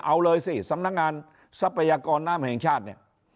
เอาเลยสิสำนักงานทรัพยากรน้ำแห่งชาติเนี่ย